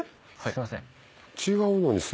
すいません。